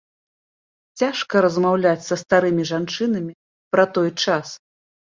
Цяжка размаўляць са старымі жанчынамі пра той час.